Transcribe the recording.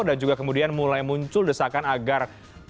dan juga kemudian mulai muncul desakan agar